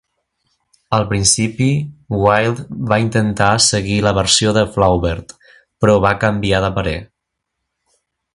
Al principi, Wilde va intentar seguir la versió de Flaubert, però va canviar de parer.